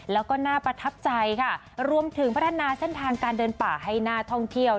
แล้วก็น่าประทับใจค่ะรวมถึงพัฒนาเส้นทางการเดินป่าให้น่าท่องเที่ยว